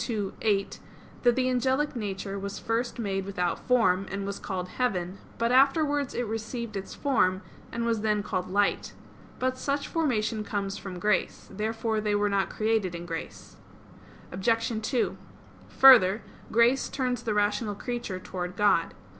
ii, 8) that the angelic nature was first made without form, and was called "heaven": but afterwards it received its form, and was then called "light." But such formation comes from grace. Therefore they were not created in grace. Obj. 2: Further, grace turns the rational creature towards God.